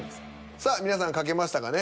さあ皆さん書けましたかね。